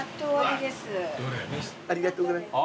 ありがとうございます。